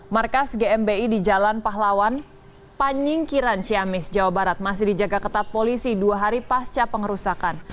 markas gmi di jalan pahlawan panyingkiran ciamis jawa barat masih dijaga ketat polisi dua hari pasca pengerusakan